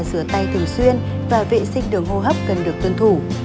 rửa tay thường xuyên và vệ sinh đường hô hấp cần được tuân thủ